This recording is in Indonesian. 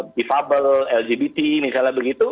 defable lgbt misalnya begitu